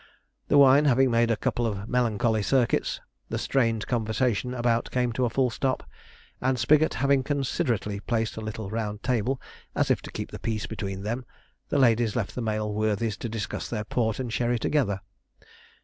The wine having made a couple of melancholy circuits, the strained conversation about came to a full stop, and Spigot having considerately placed the little round table, as if to keep the peace between them, the ladies left the male worthies to discuss their port and sherry together.